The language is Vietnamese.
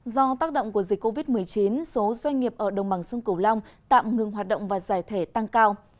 do tác động của dịch covid một mươi chín số doanh nghiệp ở đồng bằng sông cửu long tạm ngừng hoạt động và giải thể tăng cao